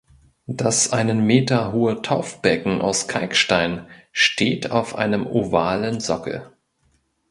Das einen Meter hohe Taufbecken aus Kalkstein steht auf einem ovalen Sockel.